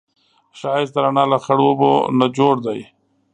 ښایست د رڼا له خړوبو نه جوړ دی